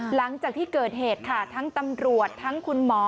หลังจากที่เกิดเหตุค่ะทั้งตำรวจทั้งคุณหมอ